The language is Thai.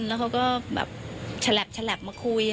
แล้วเขาก็แบบฉลับมาคุย